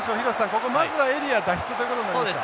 ここまずはエリア脱出ということになりますか。